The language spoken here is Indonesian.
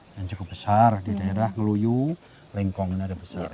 yang cukup besar di daerah ngeluyu lengkong ini ada besar